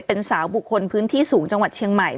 เป็นสาวบุคคลพื้นที่สูงจังหวัดเชียงใหม่